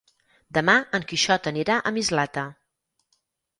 Demà en Quixot anirà a Mislata.